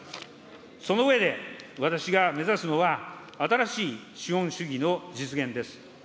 その上で、私が目指すのは、新しい資本主義の実現です。